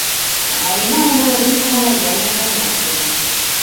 - Ғәлимә уның рюмкаһына йәнә коньяк ҡойҙо.